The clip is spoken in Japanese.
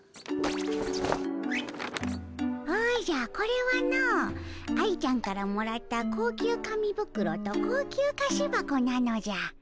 おじゃこれはの愛ちゃんからもらった高級紙袋と高級菓子箱なのじゃ。